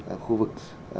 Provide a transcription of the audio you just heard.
ở khu vực